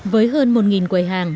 với hơn một quầy hàng